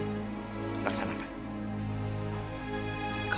aman zaman selamat kutipun